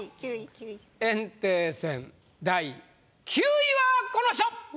炎帝戦第９位はこの人！